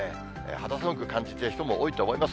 肌寒く感じている人も多いと思います。